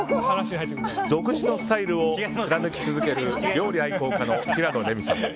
独自のスタイルを貫き続ける料理愛好家の平野レミさん。